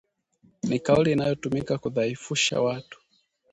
Ni kauli inayotumika kudhaifusha watu